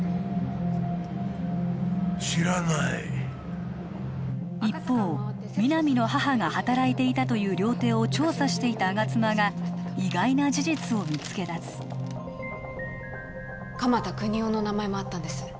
知らない一方皆実の母が働いていたという料亭を調査していた吾妻が意外な事実を見つけ出す鎌田國士の名前もあったんです